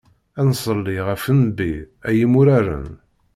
Ad nṣelli ɣef Nnbi, ay imuraren.